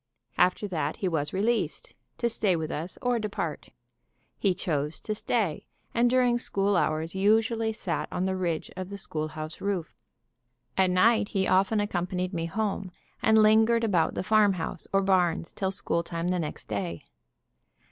After that he was released, to stay with us or depart. He chose to stay, and during school hours usually sat on the ridge of the schoolhouse roof. At night he often accompanied me home, and lingered about the farmhouse or barns till school time the next day.